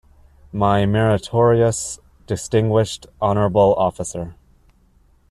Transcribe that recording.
My meritorious, distinguished, honourable officer!